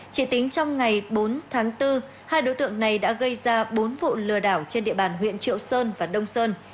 chỉ tính trong ngày bốn tháng bốn hai đối tượng này đã gây ra bốn vụ lừa đảo trên địa bàn huyện triệu sơn và đông sơn